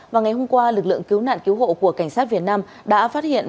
vào ngày hôm qua lực lượng cứu nạn cứu hộ của cảnh sát việt nam đã phát hiện